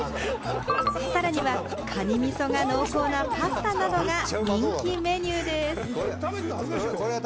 さらにはカニみそが濃厚なパスタなどが人気メニューです。